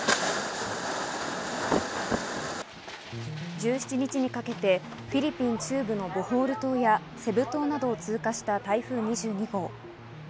１７日にかけてフィリピン中部のボホール島やセブ島などを通過した台風２２号。